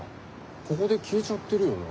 ここで消えちゃってるよな？